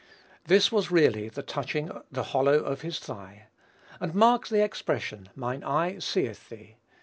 This was really touching the hollow of his thigh. And mark the expression, "mine eye seeth thee."